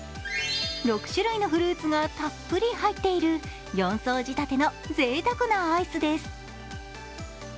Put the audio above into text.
６種類のフルーツがたっぷり入っている４層仕立てのぜいたくなアイスです。